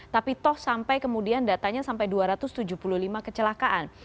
tapi toh sampai kemudian datanya sampai dua ratus tujuh puluh lima kecelakaan